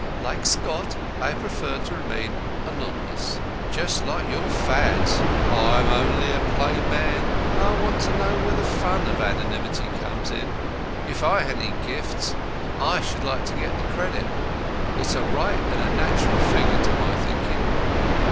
Like Scott, I prefer to remain anonymous." "Just like your Fads. I'm only a plain man, and I want to know where the fun of anonymity comes in. If I had any gifts, I should like to get the credit. It's a right and natural feeling to my thinking."